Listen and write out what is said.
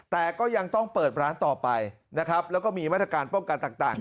แต่ก็ยังต้องเปิดร้านต่อไปนะครับแล้วก็มีมาตรการป้องกันต่าง